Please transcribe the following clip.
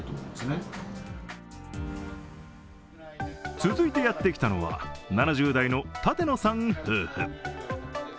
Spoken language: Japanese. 続いてやってきたのは７０代の館野さん夫婦。